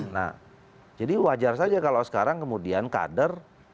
nah jadi wajar saja kalau sekarang kemudian kader